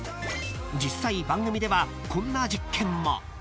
［実際番組ではこんな実験も］